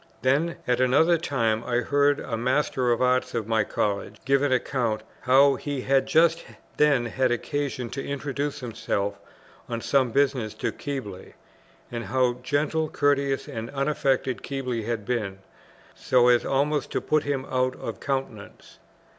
Then at another time I heard a Master of Arts of my College give an account how he had just then had occasion to introduce himself on some business to Keble, and how gentle, courteous, and unaffected Keble had been, so as almost to put him out of countenance.